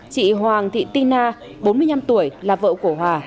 chị hoàng thị ti na bốn mươi năm tuổi là vợ của hòa